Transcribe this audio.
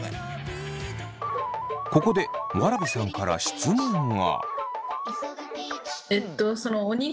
ここでわらびさんから質問が。